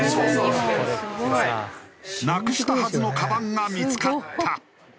なくしたはずのカバンが見付かった。